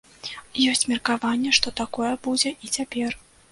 Ёсць меркаванне, што такое будзе і цяпер.